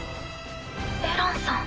エランさん。